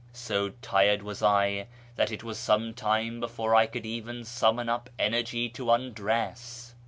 So tired was I that it was some time before I could even summon up energy to undress.